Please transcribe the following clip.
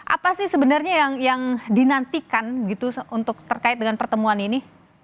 apa sih sebenarnya yang dinantikan gitu untuk terkait dengan pertemuan ini